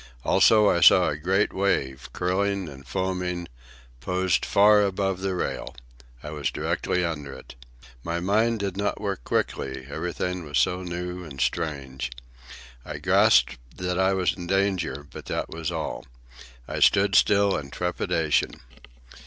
Also I saw a great wave, curling and foaming, poised far above the rail. I was directly under it. My mind did not work quickly, everything was so new and strange. I grasped that I was in danger, but that was all. I stood still, in trepidation.